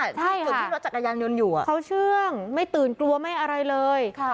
ใช่จุดที่รถจักรยานยนต์อยู่เขาเชื่องไม่ตื่นกลัวไม่อะไรเลย